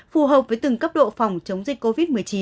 phù hợp với từng cấp độ phòng chống dịch covid một mươi chín